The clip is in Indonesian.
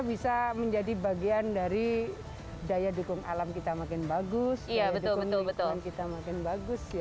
bisa menjadi bagian dari daya dukung alam kita makin bagus ya betul betul kita makin bagus ya